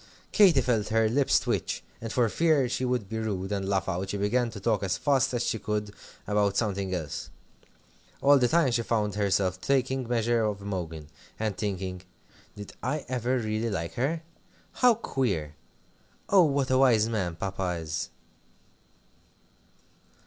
Katy felt her lips twitch, and for fear she should be rude, and laugh out, she began to talk as fast as she could about something else. All the time she found herself taking measure of Imogen, and thinking "Did I ever really like her? How queer! Oh, what a wise man Papa is!"